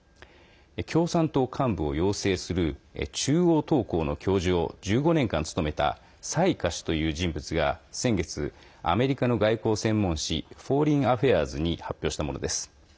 共産党幹部を養成する中央党校の教授を１５年間務めた蔡霞氏という人物が先月、アメリカの外交専門誌「フォーリンアフェアーズ」に発表したものです。